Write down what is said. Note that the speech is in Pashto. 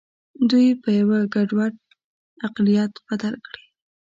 دوی په یوه ګډوډ اقلیت بدل کړي.